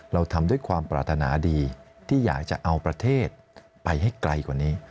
เราทำด้วยความปรารถนาดีที่อยากจะเอาประเทศไปให้ไกลกว่านี้